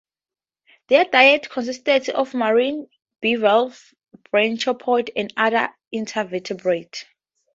Their diet consisted of marine bivalves, brachiopods, and other invertebrates.